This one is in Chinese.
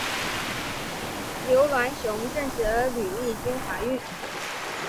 刘銮雄证实吕丽君怀孕。